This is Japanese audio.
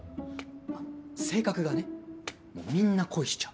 あの性格がねもうみんな恋しちゃう。